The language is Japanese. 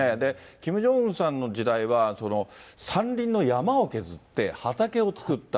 キム・ジョンウンさんの時代は、山林の山を削って畑を作った。